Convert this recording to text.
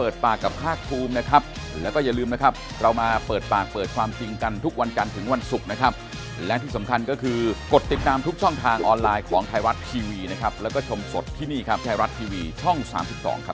เดนไม่คิดว่าคุณทักษิณจะยอม